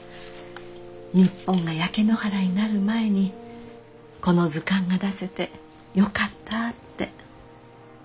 日本が焼け野原になる前にこの図鑑が出せてよかったって。